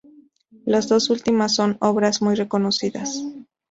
Las dos últimas son obras muy reconocidas.